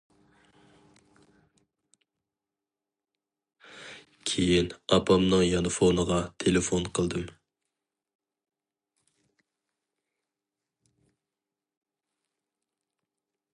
كېيىن ئاپامنىڭ يانفونىغا تېلېفون قىلدىم.